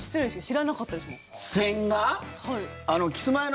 知らなかったですもん。